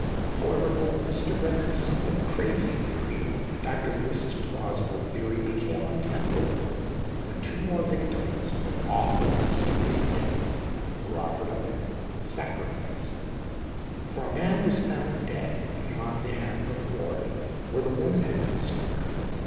However, both Mr. Remnant's somewhat crazy theory and Dr. Lewis's plausible theory became untenable when two more victims of an awful and mysterious death were offered up in sacrifice, for a man was found dead in the Llanfihangel quarry, where the woman had been discovered.